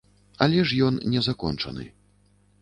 Але ж ён не закончаны.